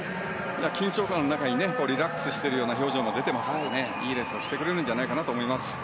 緊張感の中にリラックスした表情も出ていますからいいレースをしてくれるんじゃないかなと思います。